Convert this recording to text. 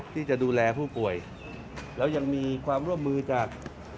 ที่จะดูแลผู้ป่วยแล้วยังมีความร่วมมือจาก